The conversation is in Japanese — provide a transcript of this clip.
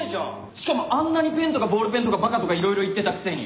しかもあんなにペンとかボールペンとかバカとかいろいろ言ってたくせに。